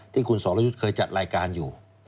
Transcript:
ที่คุณสรยุทธ์เคยจัดรายการอยู่